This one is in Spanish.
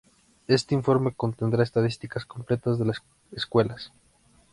Este informe contendrá estadísticas completas de las escuelas.